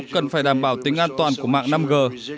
cần phải đảm bảo tính an toàn của mạng năm g